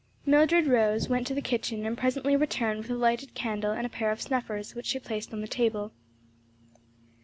Mildred rose, went to the kitchen, and presently returned with a lighted candle and a pair of snuffers, which she placed on the table.